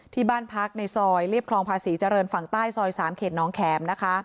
ที่บ้านพักในซอยเรียบคลองภาษีเจริญฝั่งใต้ซอย๓เขตน้องแขมนะคะ